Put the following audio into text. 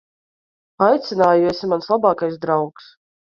Aicināju, jo esi mans labākais draugs.